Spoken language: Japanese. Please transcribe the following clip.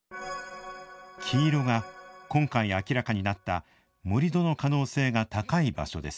黄色が今回明らかになった盛土の可能性が高い場所です。